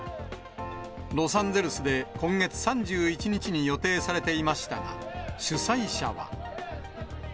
ロサンゼルスで今月３１日に予定されていましたが、主催者は。